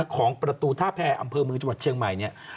ของประตูท่าแพงอำเภอมือจังหวัดเชียงใหม่